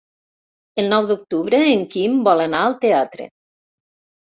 El nou d'octubre en Quim vol anar al teatre.